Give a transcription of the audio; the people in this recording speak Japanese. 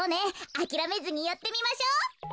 あきらめずにやってみましょう。